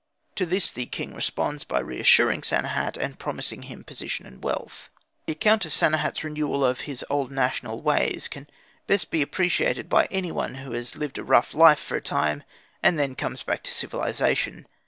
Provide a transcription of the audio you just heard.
To this the king responds by reassuring Sanehat, and promising him position and wealth. The account of Sanehat's renewal of his old national ways can best be appreciated by any one who has lived a rough life for a time and then comes back to civilisation.